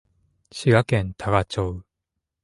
滋賀県多賀町